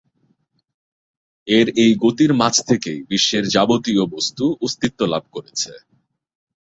এর এই গতির মাঝ থেকেই বিশ্বের যাবতীয় বস্তু অস্তিত্ব লাভ করেছে।